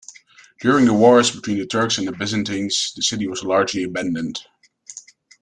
During the wars between the Turks and the Byzantines, the city was largely abandoned.